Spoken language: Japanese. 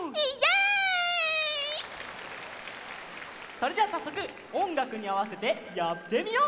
それじゃあさっそくおんがくにあわせてやってみよう！